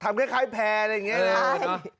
อ๋อถังคล้ายแพร่อะไรอย่างนี้